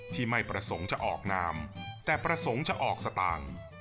ไม่ประสงค์จะออกนามแต่ประสงค์จะออกสตางค์